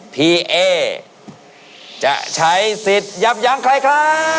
พี่เอจะใช้สิทธิ์ยับยั้งใครครับ